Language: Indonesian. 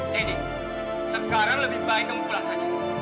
lady sekarang lebih baik kamu pulang saja